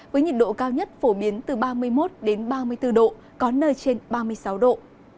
với nhiệt độ cao nhất phổ biến từ ba mươi một ba mươi bốn độ có nơi trên ba mươi sáu độ